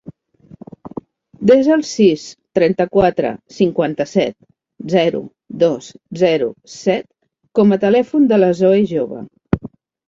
Desa el sis, trenta-quatre, cinquanta-set, zero, dos, zero, set com a telèfon de la Zoè Jove.